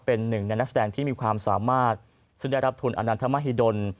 เป็นหนึ่งในนักแสดงที่มีความสามารถซึ่งได้รับทุนอนันทมหิดล